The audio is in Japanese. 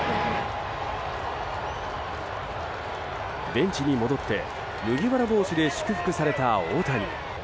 ベンチに戻って麦わら帽子で祝福された大谷。